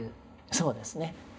そうですね。